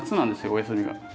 お休みが。